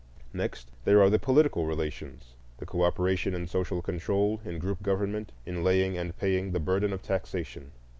Next, there are the political relations, the cooperation in social control, in group government, in laying and paying the burden of taxation.